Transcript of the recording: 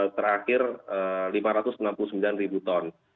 terakhir rp lima ratus enam puluh sembilan ton